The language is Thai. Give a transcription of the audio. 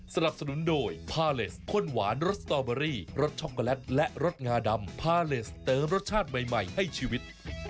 สนับสนุนโดยพาเลสข้นหวานรสสตอเบอรี่รสช็อกโกแลตและรสงาดำพาเลสเติมรสชาติใหม่ให้ชีวิต